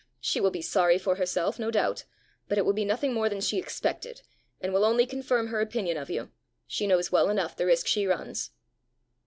She will be sorry for herself, no doubt; but it will be nothing more than she expected, and will only confirm her opinion of you: she knows well enough the risk she runs!"